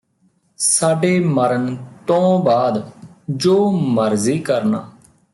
ਸਾਡੇ ਮਰਨ ਤੋਂ ਬਾਅਦ ਜੋ ਮਰਜ਼ੀ ਕਰਨਾ